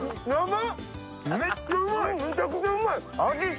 めちゃくちゃうまい。